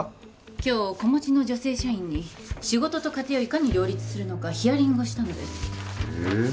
今日子持ちの女性社員に仕事と家庭をいかに両立するのかヒアリングをしたのですへえ